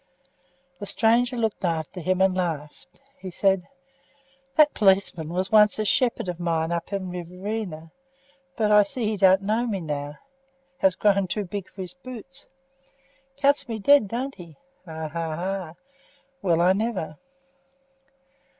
The stranger looked after him and laughed. He said: "That policeman was once a shepherd of mine up in Riverina, but I see he don't know me now has grown too big for his boots. Cuts me dead, don't he? Ha! ha! ha! Well I never!"